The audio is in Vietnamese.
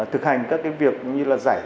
thực hành các cái việc như là